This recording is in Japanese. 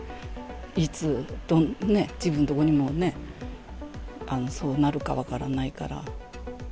いつね、自分のとこにもね、そうなるか分からないから。